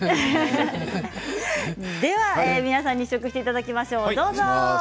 皆さんに試食していただきましょう。